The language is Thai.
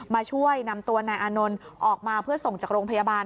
มาช่วยนำตัวนายอานนท์ออกมาเพื่อส่งจากโรงพยาบาล